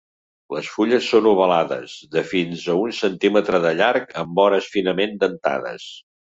Les fulles són ovalades, de fins a un centímetre de llarg amb vores finament dentades.